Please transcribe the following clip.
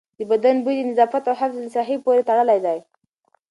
د بدن بوی د نظافت او حفظ الصحې پورې تړلی دی.